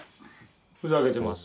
ふざけてます。